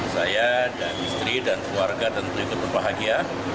saya dan istri dan keluarga dan terikut berbahagia